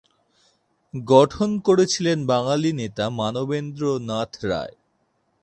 গঠন করেছিলেন বাঙালি নেতা মানবেন্দ্র নাথ রায়।